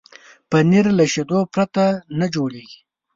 پنېر له شیدو پرته نه جوړېږي.